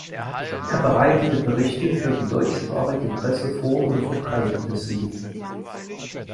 Er bereitete Berichte für die deutschsprachige Presse vor und verbreitete sie.